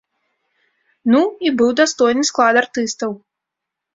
Ну, і быў дастойны склад артыстаў.